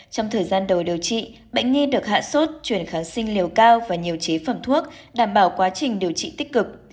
trong thời gian đầu điều trị bệnh nhi được hạ sốt chuyển kháng sinh liều cao và nhiều chế phẩm thuốc đảm bảo quá trình điều trị tích cực